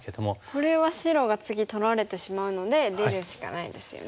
これは白が次取られてしまうので出るしかないですよね。